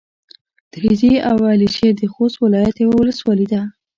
تريزي او على شېر د خوست ولايت يوه ولسوالي ده.